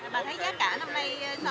bà thấy giá cả năm nay so với